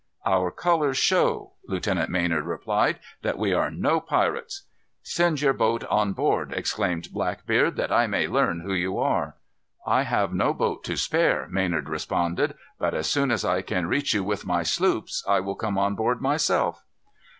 "Our colors show," Lieutenant Maynard replied, "that we are no pirates." "Send your boat on board," exclaimed Blackbeard, "that I may learn who you are." "I have no boat to spare," Maynard responded; "but as soon as I can reach you with my sloops, I will come on board myself."